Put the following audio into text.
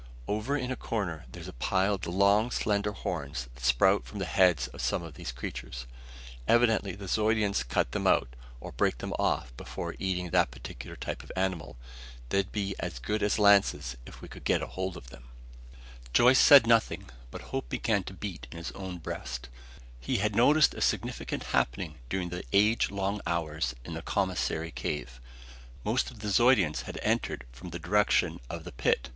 "Over in a corner there's a pile of the long, slender horns that sprout from the heads of some of these creatures. Evidently the Zeudians cut them out, or break them off before eating that particular type of animal. They'd be as good as lances, if we could get hold of them." Joyce said nothing, but hope began to beat in his own breast. He had noticed a significant happening during the age long hours in the commissary cave. Most of the Zeudians had entered from the direction of the pit.